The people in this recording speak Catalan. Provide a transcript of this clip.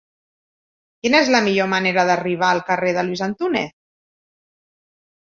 Quina és la millor manera d'arribar al carrer de Luis Antúnez?